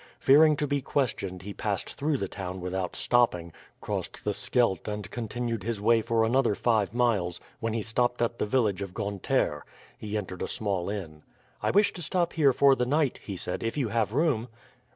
Fearing to be questioned he passed through the town without stopping, crossed the Scheldt and continued his way for another five miles, when he stopped at the village of Gontere. He entered a small inn. "I wish to stop here for the night," he said, "if you have room?"